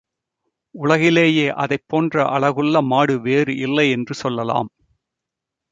உலகிலேயே அதைப் போன்ற அழகுள்ள மாடு வேறு இல்லையென்று சொல்லலாம்.